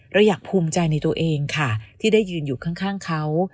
เราอยากภูมิใจในตัวเองค่ะที่ได้ยืนอยู่ข้างเขา